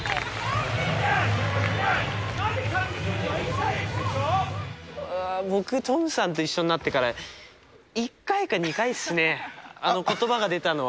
何やって僕、トムさんと一緒になってから１回か２回ですね、あのことばが出たのは。